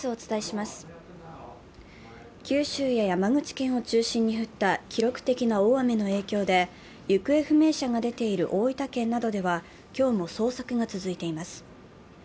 九州や山口県を中心に降った記録的な大雨の影響で、行方不明者が出ている大分県などでは、今日も捜索が続いています。